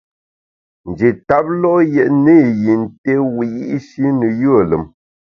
Nji tap lo’ yètne i yin té wiyi’shi ne yùe lùm.